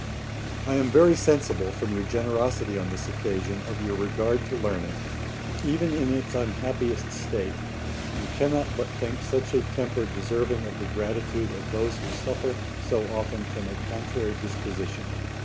I am very sensible, from your generosity on this occasion, of your regard to learning, even in its unhappiest state; and cannot but think such a temper deserving of the gratitude of those who suffer so often from a contrary disposition.